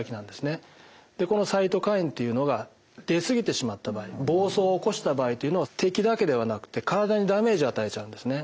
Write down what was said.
でこのサイトカインっていうのが出過ぎてしまった場合暴走を起こした場合というのは敵だけではなくて体にダメージを与えちゃうんですね。